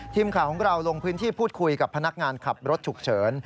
ทีมข่าวของเราลงพื้นที่พูดคุยกับพนักงานขับรถฉุกเฉิน